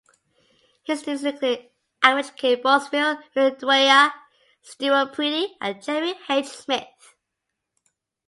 His students include Aldridge K. Bousfield, William Dwyer, Stewart Priddy, and Jeffrey H. Smith.